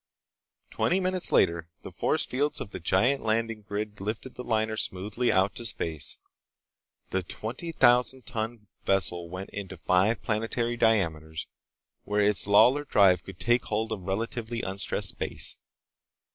Twenty minutes later the force fields of the giant landing grid lifted the liner smoothly out to space. The twenty thousand ton vessel went out to five planetary diameters, where its Lawlor drive could take hold of relatively unstressed space.